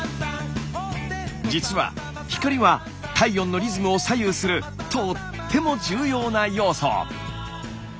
実は光は体温のリズムを左右するとっても重要な要素。